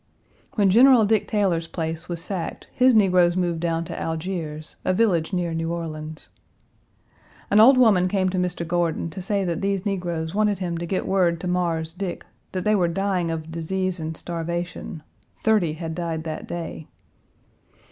When General Dick Taylor's place was sacked his negroes moved down to Algiers, a village near New Orleans. An old woman came to Mr. Gordon to say that these negroes wanted him to get word to "Mars Dick" that they were dying of disease and starvation; thirty had died that day.